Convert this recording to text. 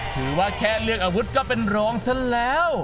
แค่ว่าแค่เลือกอาวุธก็เป็นรองซะแล้ว